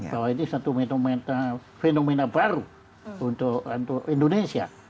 bahwa ini satu fenomena baru untuk indonesia